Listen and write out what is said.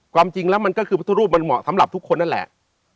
ความจริงแล้วมันก็คือพุทธรูปมันเหมาะสำหรับทุกคนนั่นแหละ